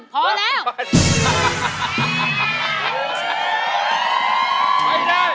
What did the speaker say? ๓๐๐๐พอแล้ว